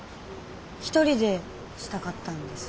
一人でしたかったんです。